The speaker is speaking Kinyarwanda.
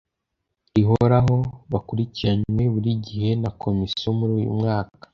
rihoraho bakurikiranywe buri gihe na komisiyo muri uyu mwaka